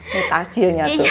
nih tajilnya tuh